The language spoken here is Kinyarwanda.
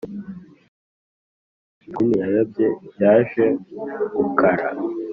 no ku madini yabyo byaje gukara